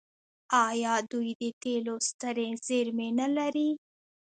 آیا دوی د تیلو سترې زیرمې نلري؟